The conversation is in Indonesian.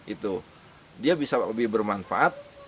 itu dia bisa lebih bermanfaat